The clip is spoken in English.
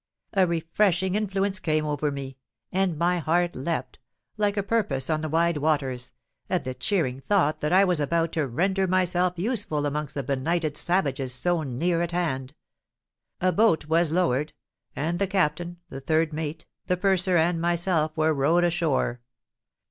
A refreshing influence came over me; and my heart leapt, like a porpoise on the wide waters, at the cheering thought that I was about to render myself useful amongst the benighted savages so near at hand. A boat was lowered; and the captain, the third mate, the purser, and myself were rowed ashore.